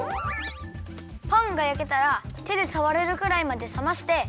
パンがやけたらてでさわれるくらいまでさまして。